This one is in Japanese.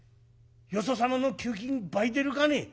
「よそ様の給金倍出るかね？